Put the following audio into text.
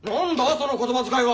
その言葉遣いは！